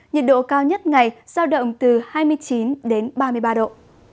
nhiệt độ cao nhất ngày giao động từ hai mươi chín đến ba mươi ba độ